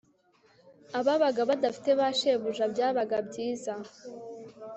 ababaga badafite ba shebuja byabaga byiza